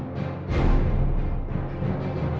สวัสดีครับ